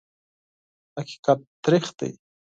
حقیقت تریخ دی .